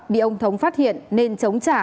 bị ông thống phát hiện nên chống trả